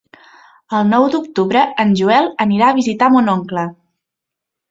El nou d'octubre en Joel anirà a visitar mon oncle.